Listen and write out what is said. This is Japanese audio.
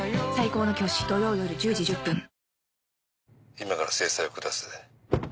今から制裁を下す。